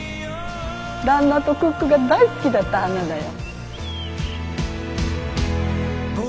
旦那とクックが大好きだった花だよ。